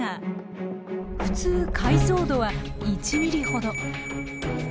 普通解像度は１ｍｍほど。